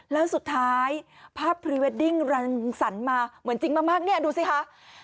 แล้วสุดท้ายภาพพรีเวดดิ้งรันสรรมาเหมือนจริงมากเนี่ยดูสิคะ